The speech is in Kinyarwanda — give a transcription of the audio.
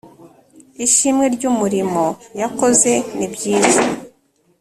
Ishimwe ry’ umurimo yakoze n’ ibyiza